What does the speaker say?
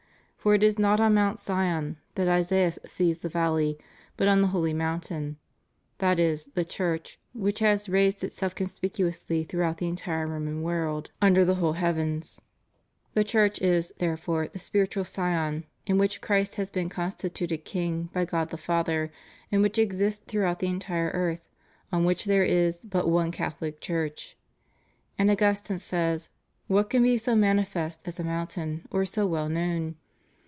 For it is not on Mount Sion that Isaias sees the valley, but on the holy mountain; that is, the Church, which has raised it self conspicuously throughout the entiie Roman world ' John iii. 17. 'Acts iv. 12 »Isa. ii. 2. ■* Isa. ii. 2, 3. THE UNITY OF THE CHURCH. ZSJ under the whole heavens. ... The Church is, therefore, the spu itual Sion in which Christ has been constituted King by God the Father, and which exists throughout the entire earth, on which there is but one Catholic Church,"^ And Augustine says: "What can be so manifest as a mountain, or so well known?